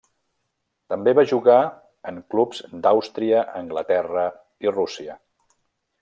També va jugar en clubs d'Àustria, Anglaterra, i Rússia.